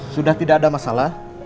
sudah tidak ada masalah